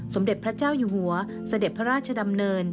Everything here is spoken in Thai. สมเด็จพระเจ้าอยู่หัวเสด็จพระราชดำเนิน